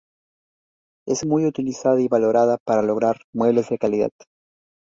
Es muy utilizada y valorada para lograr muebles de calidad.